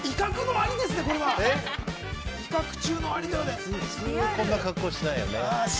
普通こんな格好はしないよね。